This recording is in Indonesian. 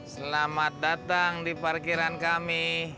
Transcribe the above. selamat datang di parkiran kami